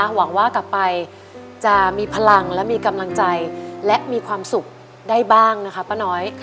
หวังว่ากลับไปจะมีพลังและมีกำลังใจและมีความสุขได้บ้างนะคะป้าน้อย